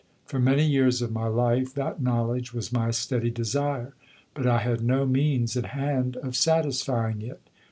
For many years of my life that knowledge was my steady desire; but I had no means at hand of satisfying it.